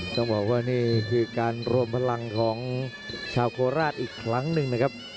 ต้องบอกว่านี่คือการรวมพลังของชาวโคราชอีกครั้งหนึ่งนะครับ